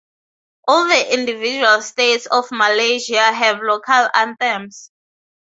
All the individual states of Malaysia have local anthems.